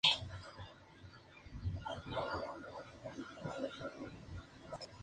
Su vencimiento suele ser de tres, seis o doce meses.